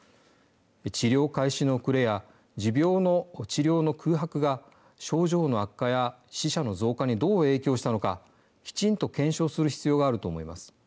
治療開始の遅れや持病の治療の空白が症状の悪化や死者の増加にどう影響したのかきちんと検証する必要があると思います。